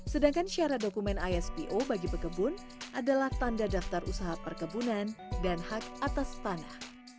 sedangkan syarat dokumen ispo bagi pekebun adalah tanda daftar usaha perkebunan dan hak atas tanah